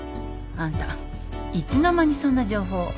あんたいつの間にそんな情報を。